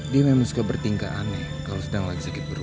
dia memang suka bertingkah aneh kalau sedang lagi sakit berat